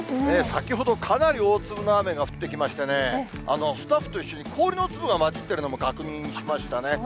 先ほど、かなり大粒の雨が降ってきましてね、スタッフと一緒に、氷の粒が交じっているのも確認しましたね。